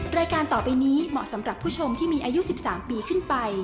รายการต่อไปนี้เหมาะสำหรับผู้ชมที่มีอายุ๑๓ปีขึ้นไป